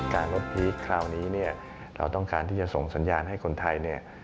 การลดพีคคราวนี้เราต้องการที่จะส่งสัญญาณให้คนไทย